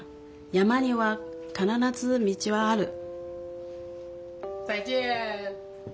「山には必ず道はある」。